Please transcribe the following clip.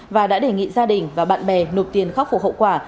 và đã đề nghị gia đình và bạn bè nộp tiền khắc phục hậu quả